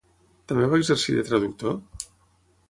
També va exercir de traductor?